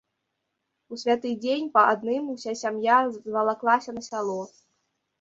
У святы дзень па адным уся сям'я звалаклася на сяло.